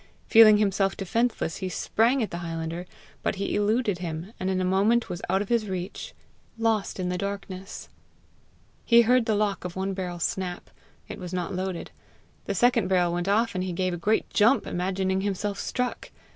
Feeling himself defenceless, he sprang at the highlander, but he eluded him, and in a moment was out of his reach, lost in the darkness. He heard the lock of one barrel snap: it was not loaded; the second barrel went off, and he gave a great jump, imagining himself struck.